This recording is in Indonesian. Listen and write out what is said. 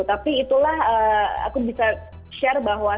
tapi itulah aku bisa share bahwa